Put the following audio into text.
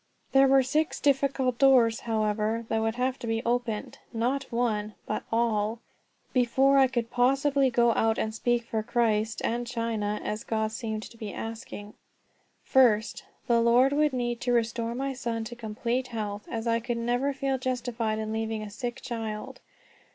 There were six difficult doors, however, that would have to be opened not one, but all before I could possibly go out and speak for Christ and China, as God seemed to be asking. First, the Lord would need to restore my son to complete health, as I could never feel justified in leaving a sick child.